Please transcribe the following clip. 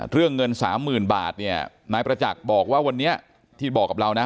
เรื่องเงินสามหมื่นบาทเนี่ยนายประจักษ์บอกว่าวันนี้ที่บอกกับเรานะ